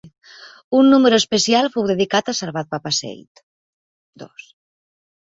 Un número especial fou dedicat a Salvat-Papasseit.